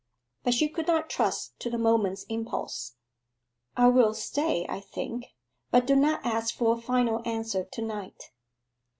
But she could not trust to the moment's impulse. 'I will stay, I think. But do not ask for a final answer to night.